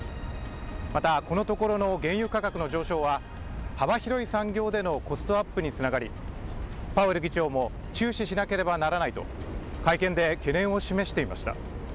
また、このところの原油価格の上昇は幅広い産業でのコストアップにつながり、パウエル議長も注視しなければならないと、会見で懸念を示していました。